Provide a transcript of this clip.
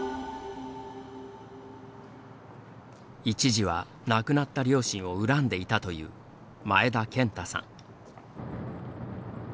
一時は、亡くなった両親を恨んでいたという前田健太さん。